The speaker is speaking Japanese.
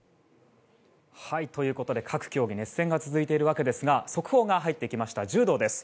ということで各競技熱戦が続いているわけですが速報が入ってきました柔道です。